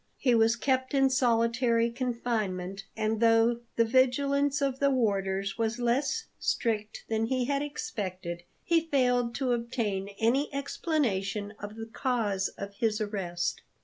He was kept in solitary confinement, and, though the vigilance of the warders was less strict than he had expected, he failed to obtain any explanation of the cause of his arrest.